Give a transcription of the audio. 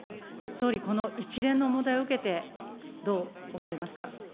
総理、この一連の問題を受けて、どう思われますか。